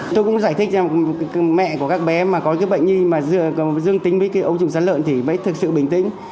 tôi cũng giải thích cho mẹ của các bé mà có cái bệnh như dương tính với ấu trùng sán lợn thì phải thực sự bình tĩnh